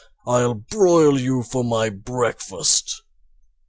I'll broil you for my breakfast!"